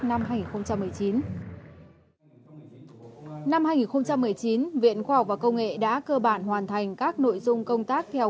năm hai nghìn một mươi chín hai nghìn một mươi chín viện khoa học và công nghệ đã cơ bản hoàn thành các nội dung công tác theo